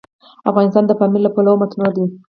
افغانستان د پامیر له پلوه متنوع دی.